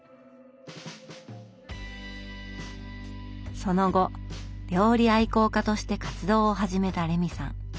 その後料理愛好家として活動を始めたレミさん。